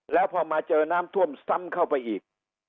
แล้วพอมาเจอน้ำท่วมซ้ำเข้าไปอีก